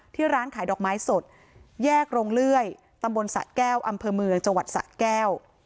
ร้านขายดอกไม้สดแยกโรงเลื่อยตำบลสะแก้วอำเภอเมืองจังหวัดสะแก้ว